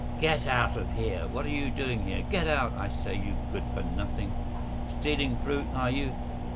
"Get out of here! What are you doing here? Get out, I say, you good for nothing! Stealing fruit, are you?